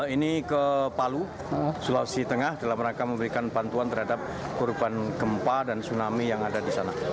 ini ke palu sulawesi tengah dalam rangka memberikan bantuan terhadap korban gempa dan tsunami yang ada di sana